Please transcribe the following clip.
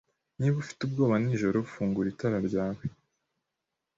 Niba ufite ubwoba nijoro, fungura itara ryawe.